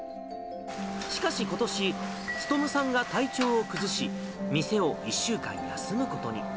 しかしことし、勉さんが体調を崩し、店を１週間休むことに。